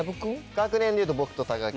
学年でいうと僕と木。